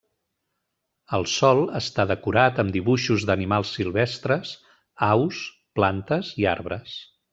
El sòl està decorat amb dibuixos d'animals silvestres, aus, plantes i arbres.